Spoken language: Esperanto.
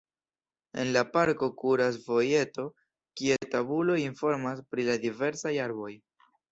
En la parko kuras vojeto, kie tabuloj informas pri la diversaj arboj.